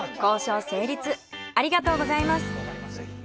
ありがとうございます。